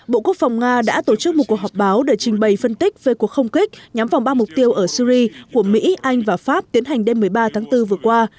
bộ quốc phòng nga đã tổ chức một cuộc họp báo để trình bày phân tích về cuộc không kích nhắm vòng ba mục tiêu ở syri của mỹ anh và pháp tiến hành đêm một mươi ba tháng bốn vừa qua